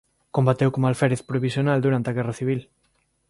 Combateu como alférez provisional durante a guerra civil.